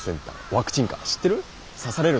ワクチン蚊知ってる？